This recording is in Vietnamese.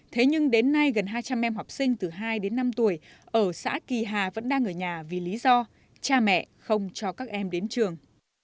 thế nhưng đến nay gần hai trăm linh em học sinh từ hai đến năm tuổi ở xã kỳ hà vẫn đang ở nhà vì lý do cha mẹ không cho các em đến trường